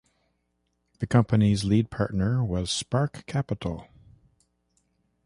The company's lead partner was Spark Capital.